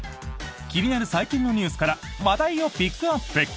気になる最近のニュースから話題をピックアップ。